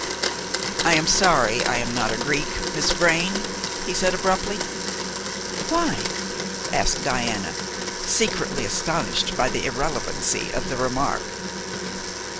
"I am sorry I am not a Greek, Miss Vrain," he said abruptly. "Why?" asked Diana, secretly astonished by the irrelevancy of the remark.